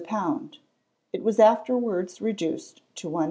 a pound; it was afterwards reduced to 1s.